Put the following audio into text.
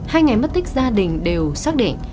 hai ngày mất tích gia đình đều xác định